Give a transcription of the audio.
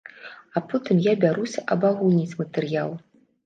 А потым я бяруся абагульніць матэрыял.